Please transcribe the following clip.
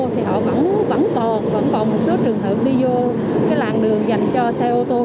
thì họ vẫn còn một số trường hợp đi vô cái làn đường dành cho xe ô tô